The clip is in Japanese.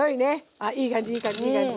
あいい感じいい感じいい感じ。